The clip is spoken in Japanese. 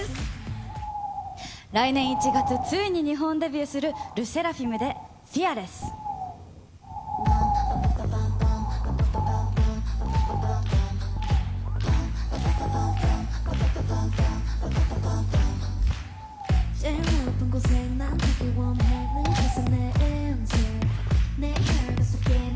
来年１月、ついに日本デビューするＬＥＳＳＥＲＡＦＩＭでＦＥＡＲＬＥＳＳ。